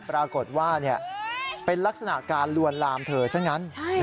ปรากฏว่าเป็นลักษณะการลวนลามเธอซะงั้น